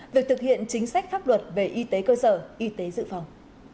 việc thực hiện chính sách pháp luật về y tế cơ sở y tế dự phòng